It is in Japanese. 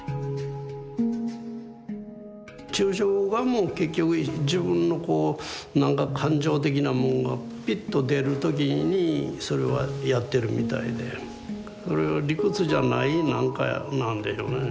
抽象画も結局自分のこうなんか感情的なもんがピッと出る時にそれはやってるみたいでそれは理屈じゃないなんかなんでしょうね。